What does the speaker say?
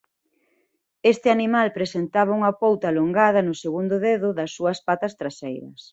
Este animal presentaba unha pouta alongada no segundo dedo das súas patas traseiras.